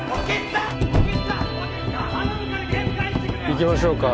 行きましょうか